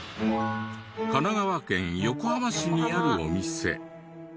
神奈川県横浜市にあるお店。